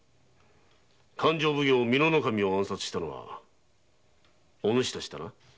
勘定奉行美濃守を暗殺したのはお主たちだな。